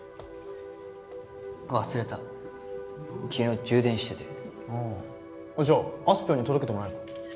忘れた昨日充電しててああじゃああすぴょんに届けてもらえば？